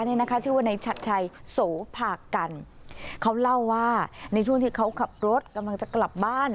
ชื่อว่าในชัดชัยโสภากันเขาเล่าว่าในช่วงที่เขาขับรถกำลังจะกลับบ้าน